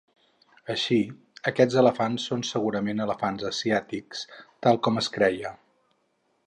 Així, aquests elefants són segurament elefants asiàtics, tal com es creia.